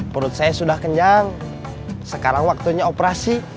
perut saya sudah kencang sekarang waktunya operasi